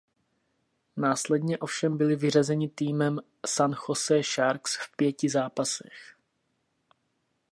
Následně ovšem byli vyřazeni týmem San José Sharks v pěti zápasech.